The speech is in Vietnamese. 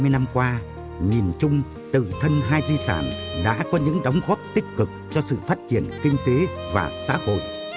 hai mươi năm qua nhìn chung từ thân hai di sản đã có những đóng góp tích cực cho sự phát triển kinh tế và xã hội